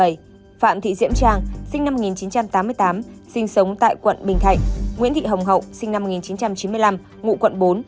phạm thị diễm trang sinh năm một nghìn chín trăm tám mươi tám sinh sống tại quận bình thạnh nguyễn thị hồng hậu sinh năm một nghìn chín trăm chín mươi năm ngụ quận bốn